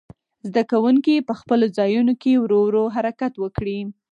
زده کوونکي په خپلو ځایونو کې ورو ورو حرکت وکړي.